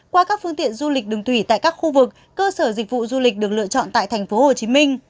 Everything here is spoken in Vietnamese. qua các phương tiện du lịch đường thủy tại các khu vực cơ sở dịch vụ du lịch được lựa chọn tại tp hcm